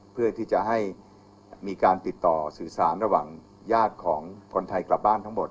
เพื่อที่จะให้มีการติดต่อสื่อสารระหว่างญาติของคนไทยกลับบ้านทั้งหมด